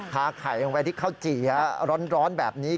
ไข่ลงไปที่ข้าวจี่ร้อนแบบนี้